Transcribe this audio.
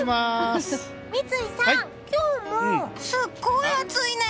三井さん、今日もすごい暑いね。